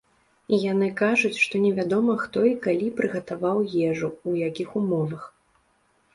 Яны кажуць, што невядома, хто і калі прыгатаваў ежу, у якіх умовах.